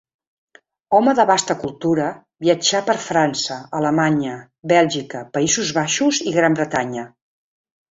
Home de vasta cultura, viatjà per França, Alemanya, Bèlgica, Països Baixos i Gran Bretanya.